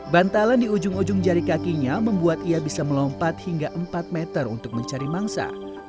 bantalan di ujung ujung jari kakinya membuat ia bisa melompat hingga empat meter untuk mencari mangsa